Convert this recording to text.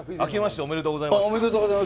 おめでとうございます。